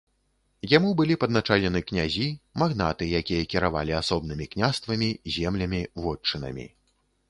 Яму былі падначалены князі, магнаты, якія кіравалі асобнымі княствамі, землямі, вотчынамі.